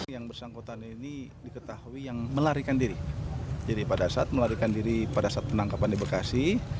yang bersangkutan ini diketahui yang melarikan diri jadi pada saat melarikan diri pada saat penangkapan di bekasi